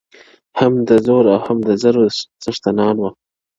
هم د زور او هم د زرو څښتنان وه-